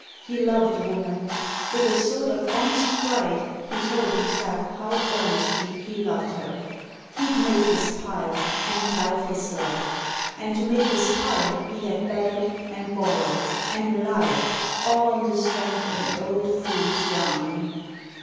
He loved the woman — ^with a sort of honest pride he told himself how earnestly he loved her. He'd make his pile, and tell of his love. And to make his pile he had begged, and borrowed — ^and lied — all on the strength of an old fool's yarning.